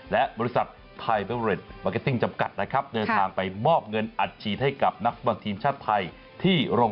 แล้วผมก็เดินทางมาไกลด้วยเพราะว่าก็มาจากญี่ปุ่น